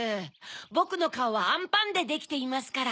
ぼくのカオはあんパンでできていますから。